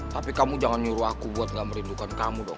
tapi kamu jangan nyuruh aku buat gak merindukan kamu dong